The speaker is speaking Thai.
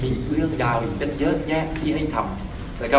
มีเรื่องยาวอีกก็เยอะแยะที่ให้ทำ